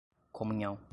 comunhão